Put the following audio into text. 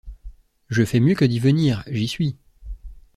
Je fais mieux que d’y venir, j’y suis.